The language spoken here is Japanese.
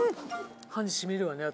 歯に染みるわね。